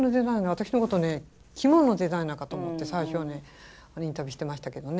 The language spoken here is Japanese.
私のことを着物デザイナーかと思って最初はインタビューしてましたけどね。